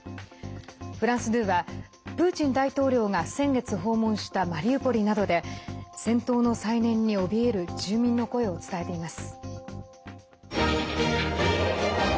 フランス２はプーチン大統領が先月訪問したマリウポリなどで戦闘の再燃におびえる住民の声を伝えています。